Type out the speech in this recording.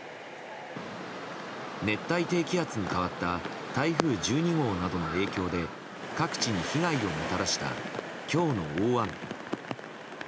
熱帯低気圧に変わった台風１２号などの影響で各地に被害をもたらした今日の大雨。